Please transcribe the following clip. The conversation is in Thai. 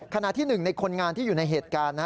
ขณะที่หนึ่งในคนงานที่อยู่ในเหตุการณ์